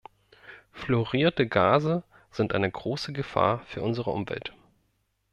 Fluorierte Gase sind eine große Gefahr für unsere Umwelt.